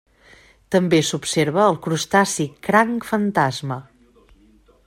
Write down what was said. També s'observa el crustaci Cranc Fantasma.